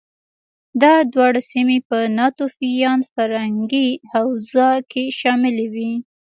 دا دواړه سیمې په ناتوفیان فرهنګي حوزه کې شاملې وې